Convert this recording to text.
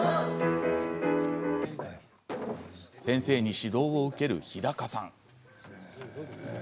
先生に指導を受ける日高さん。